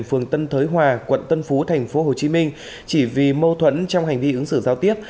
phường tân thới hòa quận tân phú tp hcm chỉ vì mâu thuẫn trong hành vi ứng xử giao tiếp